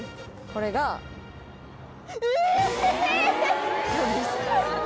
これが。え！